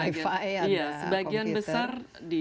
ada komputer sebagian besar